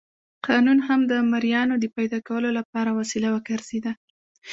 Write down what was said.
قانون هم د مریانو د پیدا کولو لپاره وسیله وګرځېده.